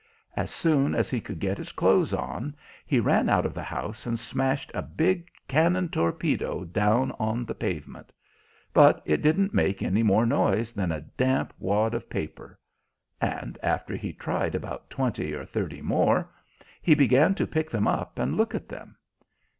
As soon as he could get his clothes on he ran out of the house and smashed a big cannon torpedo down on the pavement; but it didn't make any more noise than a damp wad of paper; and after he tried about twenty or thirty more, he began to pick them up and look at them.